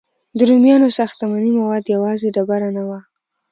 د رومیانو ساختماني مواد یوازې ډبره نه وه.